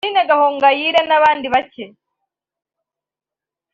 Aline Gahongayire n’abandi bake